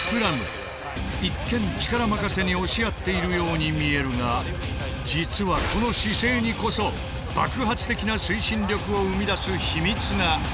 一見力任せに押し合っているように見えるが実はこの姿勢にこそ爆発的な推進力を生み出す秘密がある。